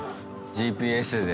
ＧＰＳで。